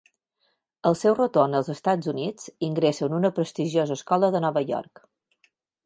Al seu retorn als Estats Units, ingressa en una prestigiosa escola de Nova York.